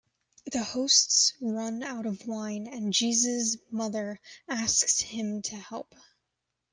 The hosts run out of wine and Jesus' mother asks him to help.